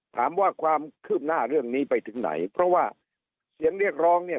ถามว่าความคืบหน้าเรื่องนี้ไปถึงไหนเพราะว่าเสียงเรียกร้องเนี่ย